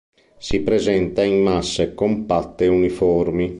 Si presenta in masse compatte ed uniformi.